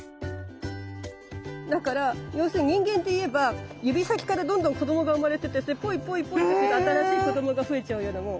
だから要するに人間でいえば指先からどんどん子どもが生まれててそれポイポイポイって新しい子どもが増えちゃうようなもん。